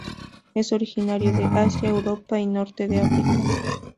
Es originario de Asia, Europa y Norte de África.